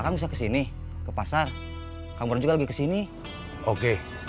manggu geser ke angkot